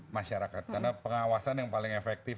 masyarakat karena pengawasan yang paling efektif